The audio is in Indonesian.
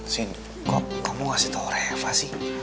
shin kok kamu ngasih tau reva sih